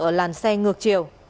ở làn xe ngược chiều